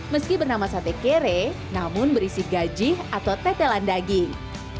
meski bernama sate kere namun berisi gaji atau tetelan daging